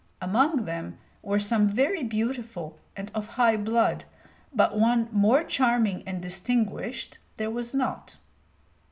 Among them were some very beautiful and of high blood, but one more charming and distinguished there was not.